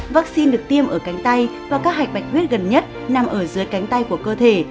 vaccine được tiêm ở cánh tay và các hạch bạch huyết gần nhất nằm ở dưới cánh tay của cơ thể